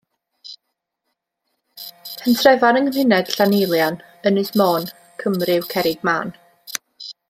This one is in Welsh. Pentrefan yng nghymuned Llaneilian, Ynys Môn, Cymru yw Cerrig-mân.